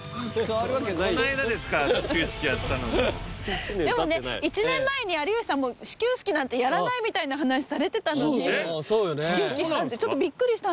この間ですから始球式やったのもでもね１年前に有吉さん「始球式なんてやらない」みたいな話されてたのに始球式したんでちょっとビックリしたんですよ